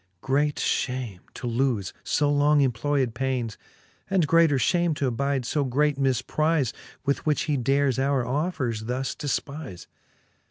Great fhame to lofe fo long employed paines, And greater fhame t'abide fb great miiprize, With which he dares our offers thus defpize.